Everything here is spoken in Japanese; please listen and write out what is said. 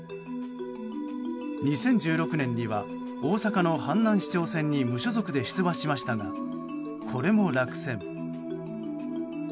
２０１６年には大阪の阪南市長選に無所属で出馬しましたがこれも落選。